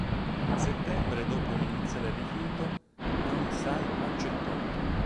In settembre, dopo un iniziale rifiuto, Aung San accettò.